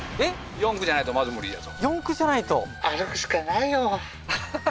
四駆じゃないとまず無理だと四駆じゃないと歩くしかないよははは